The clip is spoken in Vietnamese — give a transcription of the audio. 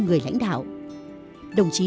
người lãnh đạo đồng chí